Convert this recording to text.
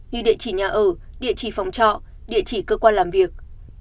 như địa chỉ nhà ở địa chỉ phòng trọ địa chỉ cơ quan làm việc